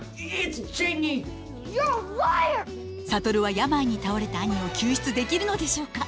諭は病に倒れた兄を救出できるのでしょうか。